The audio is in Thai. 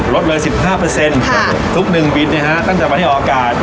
ลดไว้๑๕ทุกหนึ่งบินตั้งจากมาที่ออกกาศ